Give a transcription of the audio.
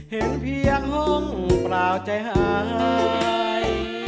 เห็นเพียงห้องเปล่าใจหาย